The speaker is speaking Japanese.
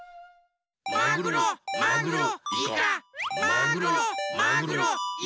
マグロマグロイカマグロマグロイカマグロ。